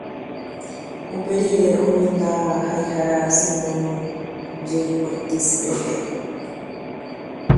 Más tarde se casó con el escritor Simon J. Ortiz.